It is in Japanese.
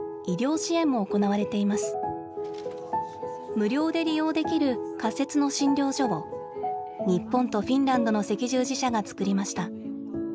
無料で利用できる仮設の診療所を日本とフィンランドの赤十字社が作りました。